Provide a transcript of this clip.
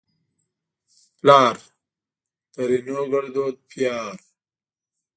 پلار؛ ترينو ګړدود پيار